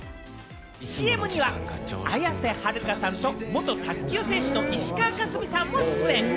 ＣＭには綾瀬はるかさんと元卓球選手の石川佳純さんも出演。